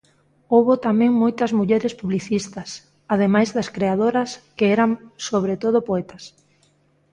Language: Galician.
Houbo tamén moitas mulleres publicistas, ademais das creadoras, que eran sobre todo poetas.